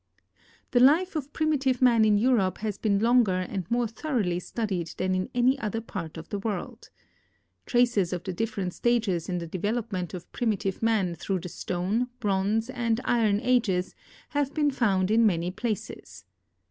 The life of primitive man in EurojDe has been longer and more thoroughly studied than in any other part of the world. Traces of the different stages in the development of primitive man through the Stone, Bronze, and Iron ages have been found in many places.